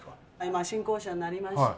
今新校舎になりまして。